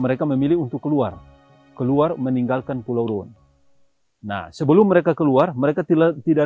mereka memilih untuk keluar keluar meninggalkan pulau rune nah sebelum mereka keluar mereka tidak